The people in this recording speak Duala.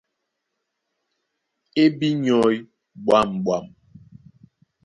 E bí nyɔ̀í ɓwǎmɓwam.